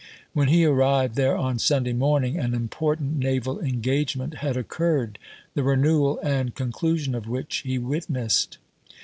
When he arrived there on Sunday morning, an important naval engagement had occurred, the renewal and con clusion of which he witnessed.